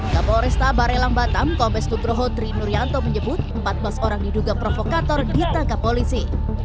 kapolresta barelang batam kombes nugroho tri nuryanto menyebut empat belas orang diduga provokator ditangkap polisi